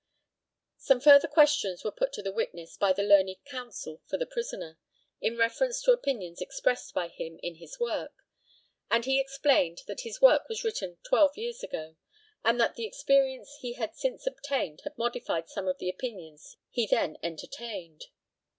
Some further questions were put to the witness by the learned counsel for the prisoner, in reference to opinions expressed by him in his work, and he explained that this work was written twelve years ago, and that the experience he had since obtained had modified some of the opinions he then entertained.